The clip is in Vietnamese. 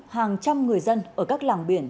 hàng trăm người dân ở các làng biển